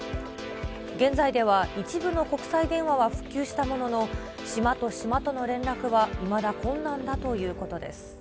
現在では、一部の国際電話は復旧したものの、島と島との連絡はいまだ困難だということです。